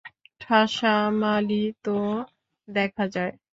ঠাসা মালই তো দেখা যায়!